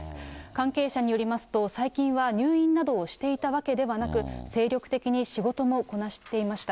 関係者によりますと、最近は入院などをしていたわけではなく、精力的に仕事もこなしていました。